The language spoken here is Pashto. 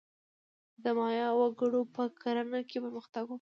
د مایا وګړو په کرنه کې پرمختګ وکړ.